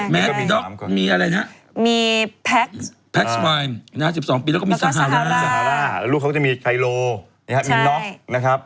บ๊าดพิชก็บอกว่าเขาก็ไม่รับข้อเสนอนี้นะ